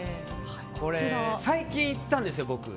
これ、最近行ったんですよ。